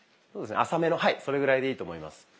浅めのはいそれぐらいでいいと思います。